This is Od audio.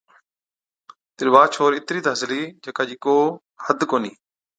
تِڏ وا ڇوهر اِترِي تہ هسلِي جڪا چِي ڪو حد ڪونهِي۔